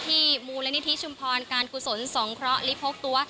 ที่มูลนิธิชุมพรการกุศลสงเคราะหรือพกตัว